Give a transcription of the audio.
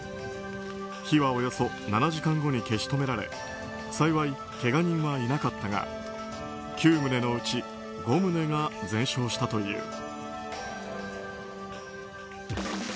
火はおよそ７時間後に消し止められ幸い、けが人はいなかったが９棟の内５棟が全焼したという。